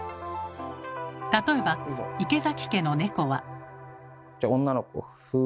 例えば池崎家の猫は。